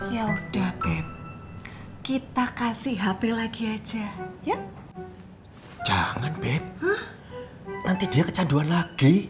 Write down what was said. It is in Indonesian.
ya udah bem kita kasih hp lagi aja ya jangan bem nanti dia kecanduan lagi